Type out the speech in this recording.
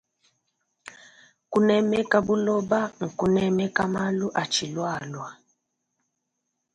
Kunemeka buloba nkunemeka malu atshilualua.